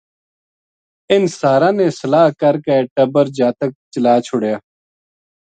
اِنھ ساراں نے صلاح کر کے ٹَبر جاتک چلا چھُڑیا